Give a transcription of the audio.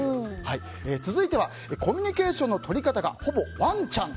続いてはコミュニケーションのとり方がほぼワンちゃん。